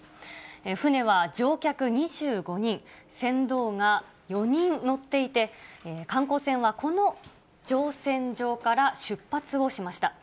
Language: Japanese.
船は乗客２５人、船頭が４人乗っていて、観光船はこの乗船場から出発をしました。